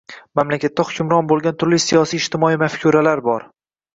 Mamlakatda hukmron boʻlgan turli siyosiy-ijtimoiy mafkuralar bor